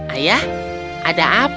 ayah ada apa